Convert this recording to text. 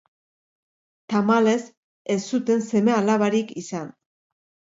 Tamalez, ez zuten seme-alabarik izan.